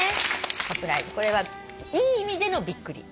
「サプライズ」これはいい意味でのびっくり。